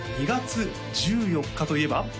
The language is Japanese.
２月１４日といえば？